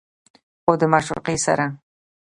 خو د معشوقې سره